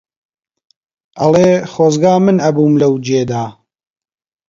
ئەڵێ خۆزگا من ئەبووم لەو جێدا